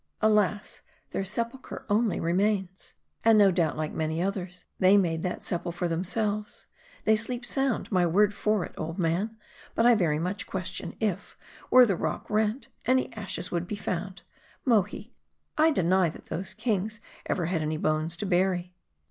" Alas ! their sepulcher only remains." " And, no doubt, like many others, they made that sepul cher for themselves. They sleep sound, my word for it, old ''.* 246 M A R D I. man. But I very much question, if, were the rock rent, any ashes would be found. Mohi, I deny that those kings ever had any bones to bury."